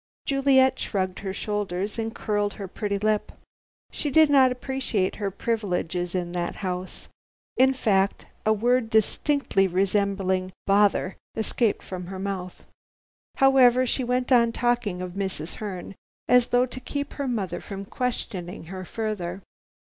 Juliet shrugged her shoulders and curled her pretty lip. She did not appreciate her privileges in that house. In fact, a word distinctly resembling "Bother!" escaped from her mouth. However, she went on talking of Mrs. Herne, as though to keep her mother from questioning her further.